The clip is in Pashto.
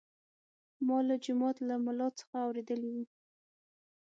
ما له جومات له ملا څخه اورېدلي وو.